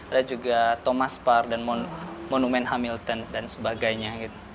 ada juga thomas park dan monumen hamilton dan sebagainya